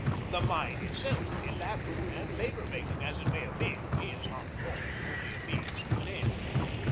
The mine itself, elaborate and labour making as it may have been, is, after all, only a means to an end.